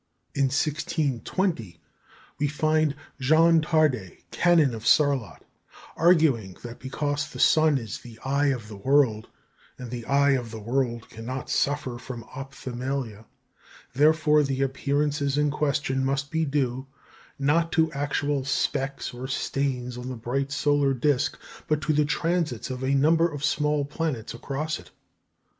In 1620 we find Jean Tarde, Canon of Sarlat, arguing that because the sun is "the eye of the world," and the eye of the world cannot suffer from ophthalmia, therefore the appearances in question must be due, not to actual specks or stains on the bright solar disc, but to the transits of a number of small planets across it!